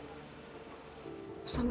tante aku mau pergi